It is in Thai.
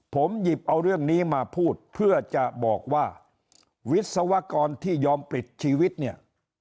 ผมหยิบเอาเรื่องนี้มาพูดเพื่อจะบอกว่าวิศวกรที่ยอมปิดชีวิตเนี่ย